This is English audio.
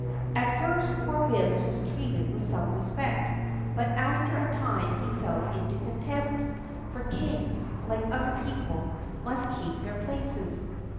At first poor Bibbs was treated with some respect, but after a time he fell into contempt, for kings, like other people, must keep their places.